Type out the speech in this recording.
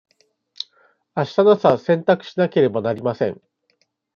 あしたの朝洗濯しなければなりません。